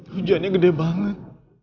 hujannya gede banget